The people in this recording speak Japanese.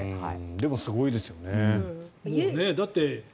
でもすごいですよね。